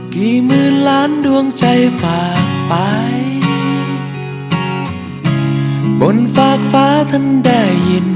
ก็ได้ใช้ธรรมชาติเพื่อไปนะ